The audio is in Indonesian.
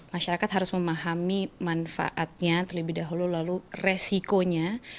masyarakat harus memahami manfaatnya terlebih dahulu lalu resikonya